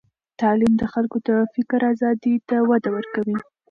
تعلیم د خلکو د فکر آزادۍ ته وده ورکوي.